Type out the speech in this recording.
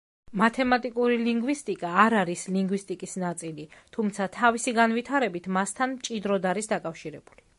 მათემატიკური ლინგვისტიკა არ არის ლინგვისტიკის ნაწილი, თუმცა თავისი განვითარებით, მასთან მჭიდროდ არის დაკავშირებული.